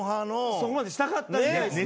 そこまでしたかったみたいですね。